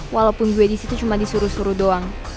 walaupun gue disitu cuma disuruh suruh doang